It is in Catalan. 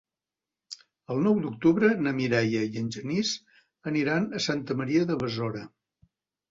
El nou d'octubre na Mireia i en Genís aniran a Santa Maria de Besora.